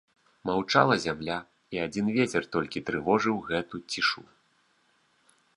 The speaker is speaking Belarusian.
Маўчала зямля, і адзін вецер толькі трывожыў гэту цішу.